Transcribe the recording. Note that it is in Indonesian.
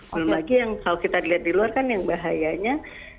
belum lagi yang kalau kita dilihat di luar kan yang bahayanya